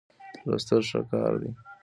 لوستل ښه کار دی.